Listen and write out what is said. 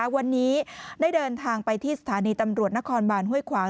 วันนี้ได้เดินทางไปที่สถานีตำรวจนครบานห้วยขวาง